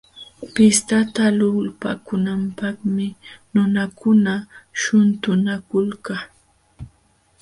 Pishtata lulpaakunanpaqmi nunakuna shuntunakulka.